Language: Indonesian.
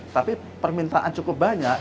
tapi permintaan cukup banyak